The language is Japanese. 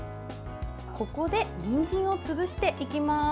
ここでにんじんを潰していきます。